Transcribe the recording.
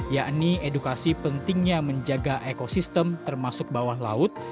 yakni edukasi pentingnya menjaga ekosistem termasuk bawah laut